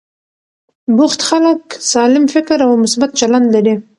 بوخت خلک سالم فکر او مثبت چلند لري.